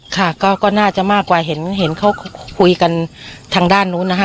ค่ะก็น่าจะมากกว่าเห็นเขาคุยกันทางด้านนู้นนะคะ